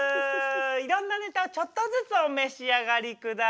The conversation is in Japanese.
いろんなネタをちょっとずつお召し上がりください。